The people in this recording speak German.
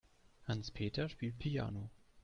Hans-Peter spielt Piano.